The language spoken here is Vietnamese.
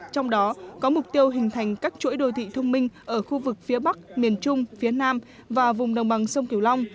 trong đó có mục tiêu hình thành các chuỗi đô thị thông minh ở khu vực phía bắc miền trung phía nam và vùng đồng bằng sông kiều long